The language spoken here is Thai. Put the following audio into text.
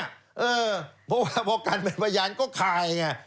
เพราะว่าพอกันเป็นพยานก็คายไง